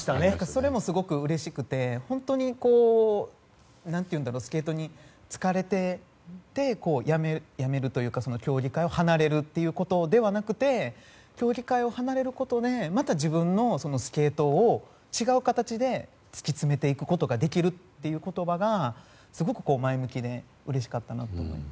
それもすごくうれしくてスケートに疲れててやめるというか競技会を離れることではなくて競技会を離れることでまた自分のスケートを違う形で突き詰めていくことができるという言葉がすごく前向きでうれしかったなと。